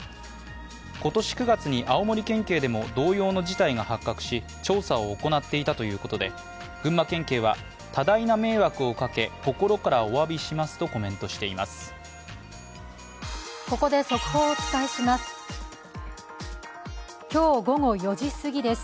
今年９月に青森県警でも同様の事態が発覚し、調査を行っていたということで、群馬県警は多大な迷惑をかけ心からおわびするとコメントしています。